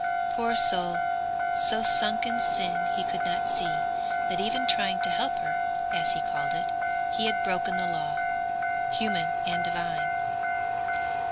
Poor soul so sunk in sin he could not see That even trying to help her, as he called it, He had broken the law human and divine.